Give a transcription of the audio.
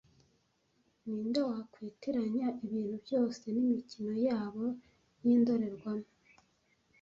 Ninde wakwitiranya ibintu byose nimikino yabo yindorerwamo